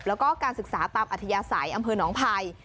และก็การศึกษาตามอธยาศาสตร์อัมเพิร์นนไพร